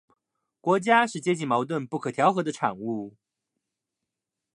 国家是阶级矛盾不可调和的产物